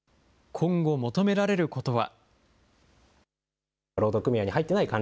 今後、求められることは。